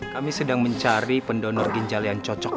kami sedang mencari pendonor ginjal yang cocok